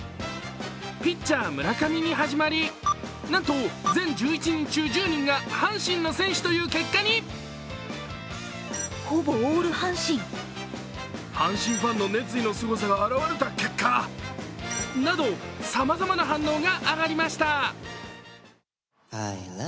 ピッチャー・村上に始まりなんと全１１人中１０人が阪神の選手という結果に。など、さまざまな反応が上がりました。